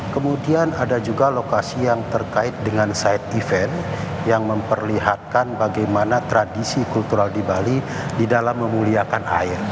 kemudian ada juga lokasi yang terkait dengan side event yang memperlihatkan bagaimana tradisi kultural di bali di dalam memuliakan air